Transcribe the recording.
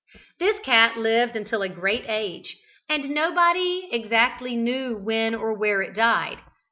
This cat lived until a great age, and nobody exactly knew when or where it died.